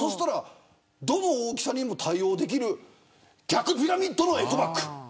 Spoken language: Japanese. どの大きさにも対応できる逆ピラミッドのエコバッグ。